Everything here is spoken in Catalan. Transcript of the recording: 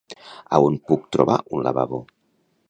A on puc trobar un lavabo?